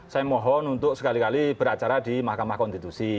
saya mohon untuk sekali kali beracara di mahkamah konstitusi